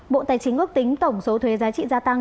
bộ tài chính ước tính tổng số thuế giá trị gia tăng